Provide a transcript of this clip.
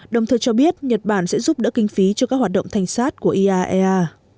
đồng thời cho biết nhật bản sẽ giúp đỡ kinh phí cho các hoạt động thanh sát của iaea